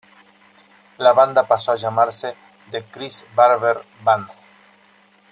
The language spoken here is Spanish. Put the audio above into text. La banda pasó a llamarse "The Chris Barber Band".